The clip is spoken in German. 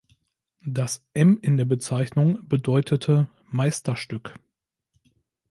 Das „M“ in der Bezeichnung bedeutete „Meisterstück“.